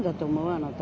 あなた。